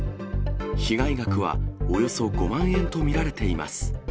被害額はおよそ５万円と見られています。